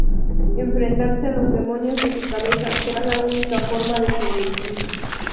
Enfrentarse a los demonios de su cabeza será la única forma de sobrevivir.